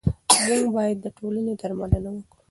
موږ باید د ټولنې درملنه وکړو.